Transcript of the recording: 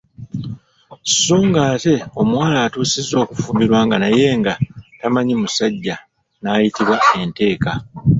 Sso ng’ate omuwala atuusizza okufumbirwa nga naye nga tamanyi musajja n’ayitibwa enteeka.